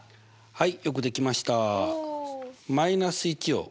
はい。